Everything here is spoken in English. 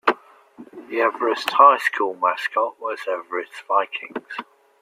The Everest High School mascot was Everest Vikings.